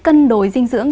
cân đổi dinh dưỡng